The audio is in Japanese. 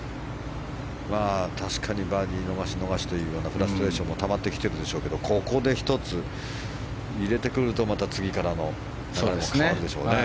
確かにバーディー逃しというフラストレーションもたまってきてるでしょうけどもここで１つ、入れてくるとまた次からの流れも変わるでしょうね。